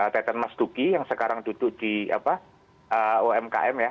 teten mas duki yang sekarang duduk di umkm ya